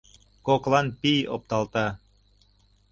Коклан пий опталта.